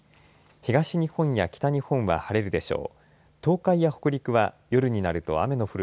東日本や北日本は晴れるでしょう。